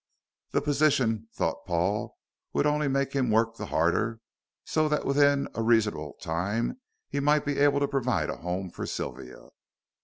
The position, thought Paul, would only make him work the harder, so that within a reasonable time he might be able to provide a home for Sylvia.